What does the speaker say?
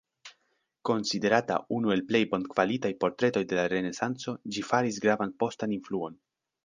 Konsiderata unu el plej bonkvalitaj portretoj de la Renesanco, ĝi faris gravan postan influon.